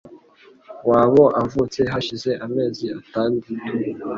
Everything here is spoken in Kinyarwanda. wabo avutse hashize amezi atandatu